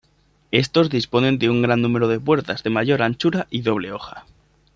Estos disponen de un gran número de puertas, de mayor anchura y doble hoja.